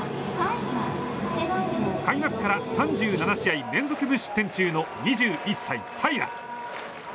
開幕から３７試合連続無失点中の２１歳、平良。